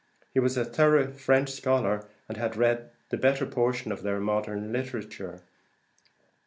He was a thorough French scholar, and had read the better portion of their modern literature.